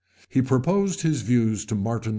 [*] He proposed his views to Martin II.